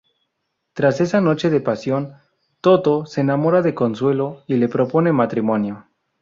Tras esa noche de pasión, Totó se enamora de Consuelo y le propone matrimonio.